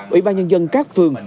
ủy ban nhân dân các phương